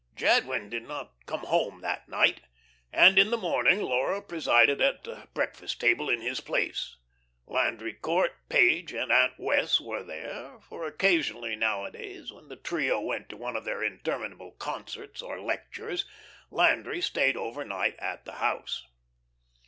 Jadwin did not come home that night, and in the morning Laura presided at breakfast table in his place. Landry Court, Page, and Aunt Wess' were there; for occasionally nowadays, when the trio went to one of their interminable concerts or lectures, Landry stayed over night at the house.